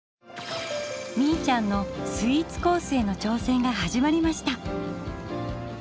みいちゃんのスイーツコースへの挑戦が始まりました。